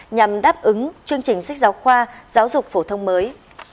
nhằm đáp ứng chương trình sách giáo khoa giáo dục phổ thông mới